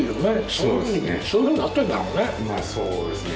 そういうふうになってんだろうね